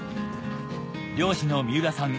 漁師の三浦さん